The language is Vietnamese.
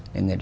để người ta